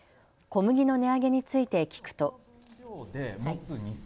小麦の値上げについて聞くと。